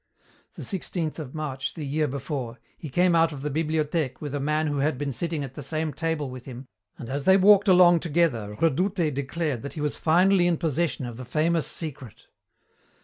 The 16th of March the year before, he came out of the Bibliothèque with a man who had been sitting at the same table with him, and as they walked along together Redoutez declared that he was finally in possession of the famous secret.